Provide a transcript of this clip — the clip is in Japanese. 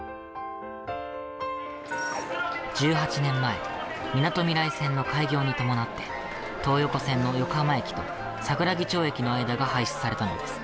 １８年前、みなとみらい線の開業に伴って東横線の横浜駅と桜木町駅の間が廃止されたのです。